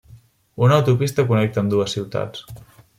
Una autopista connecta ambdues ciutats.